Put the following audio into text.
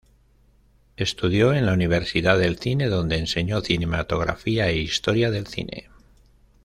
Estudió en la Universidad del Cine, donde enseñó cinematografía e historia del cine.